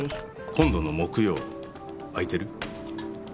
今度の木曜空いてる？